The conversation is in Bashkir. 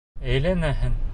Әйләнәһең.